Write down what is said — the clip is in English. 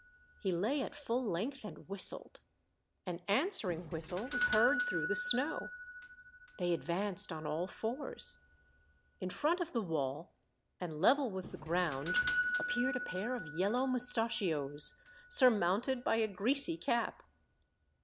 He lay at full length, and whistled. An answering whistle was heard through the snow. They advanced on all fours. In front of the wall and level with the ground, appeared a pair of yel low mustachios, surmounted by a greasy cap.